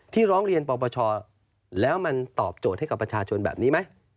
ร้องเรียนปปชแล้วมันตอบโจทย์ให้กับประชาชนแบบนี้ไหม